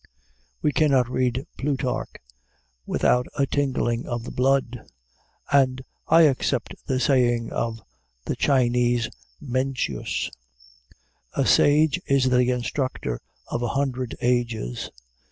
We cannot read Plutarch without a tingling of the blood; and I accept the saying of the Chinese Mencius: "A sage is the instructor of a hundred ages.